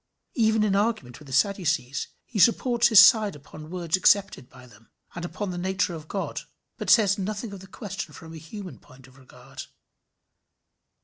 Even in argument with the Sadducees he supports his side upon words accepted by them, and upon the nature of God, but says nothing of the question from a human point of regard.